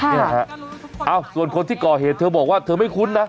เนี่ยฮะส่วนคนที่ก่อเหตุเธอบอกว่าเธอไม่คุ้นนะ